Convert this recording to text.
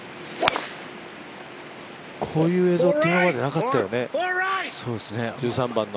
こういう映像って今までなかったよね、１３番の。